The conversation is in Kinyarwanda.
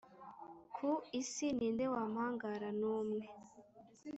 ku isi ni nde wampangara numwe